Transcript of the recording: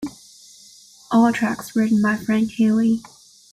All tracks written by Fran Healy.